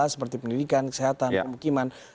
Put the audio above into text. seperti pendidikan kesehatan pemukiman